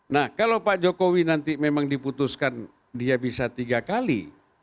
nah kalau pak jokowi nanti memang diputuskan dia bisa tiga kali